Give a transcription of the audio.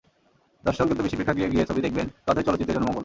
দর্শক যত বেশি প্রেক্ষাগৃহে গিয়ে ছবি দেখবেন, ততই চলচ্চিত্রের জন্য মঙ্গল।